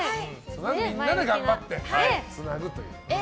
みんなで頑張ってつなぐという。